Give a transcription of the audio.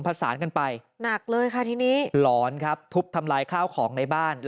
สารกันไปหนักเลยค่ะทีนี้หลอนครับทุบทำลายข้าวของในบ้าน